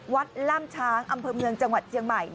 ล่ามช้างอำเภอเมืองจังหวัดเชียงใหม่